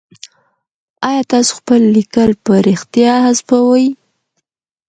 آيا تاسي خپل ليکل په رښتيا حذفوئ ؟